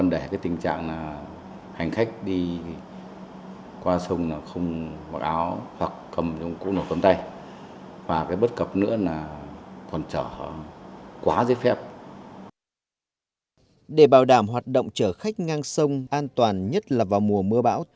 để bảo đảm hoạt động chở khách ngang sông an toàn nhất là vào mùa mưa bão